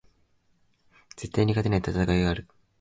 絶対に勝てない戦いがある